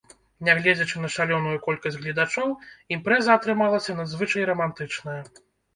Нягледзячы на шалёную колькасць гледачоў, імпрэза атрымалася надзвычай рамантычная.